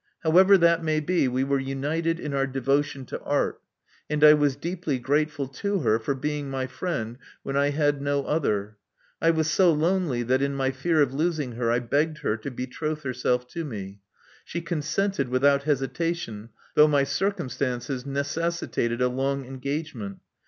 However that may be, we were united in our devotion to art ; and I was deeply grateful to her for being my friend when I had no other. I was so lonely that in my fear of losing her I begged her to betroth herself to me. She consented without hesitation, though my circumstances neces sitated a long engagement.